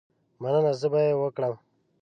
مننه، زه به یې وکړم.